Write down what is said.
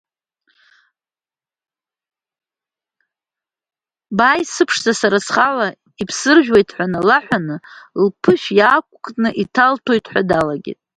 Бааи, сыԥшӡа, сара схала ибсыржәуеит, ҳәа налаҳәаны, лԥышә иаақәкны, иҭалҭәоит ҳәа далагеит.